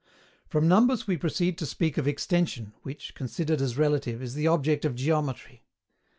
From numbers we proceed to speak of Extension, which, considered as relative, is the object of Geometry.